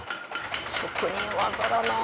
職人技だな。